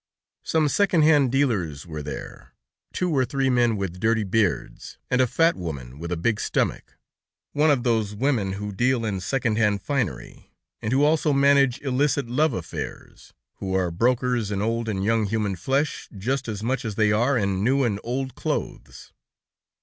Some second hand dealers were there, two or three men with dirty beards, and a fat woman with a big stomach, one of those women who deal in second hand finery, and who also manage illicit love affairs, who are brokers in old and young human flesh, just as much as they are in new and old clothes.